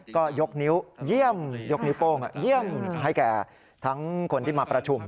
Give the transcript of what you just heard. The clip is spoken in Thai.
ก็ยกนิ้วเยี่ยมยกนิ้วโป้งเยี่ยมให้แก่ทั้งคนที่มาประชุม